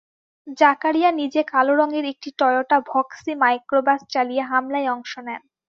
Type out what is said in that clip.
জাকারিয়া নিজে কালো রঙের একটি টয়োটা ভক্সি মাইক্রোবাস চালিয়ে হামলায় অংশ নেন।